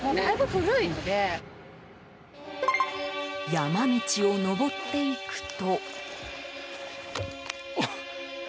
山道を上っていくと。